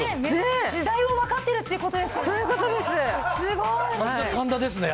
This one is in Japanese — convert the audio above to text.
時代を分かってるということですね。